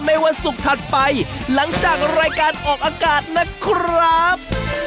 วันศุกร์ถัดไปหลังจากรายการออกอากาศนะครับ